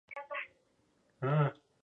Al final, Royale y Luzón fueron expulsadas.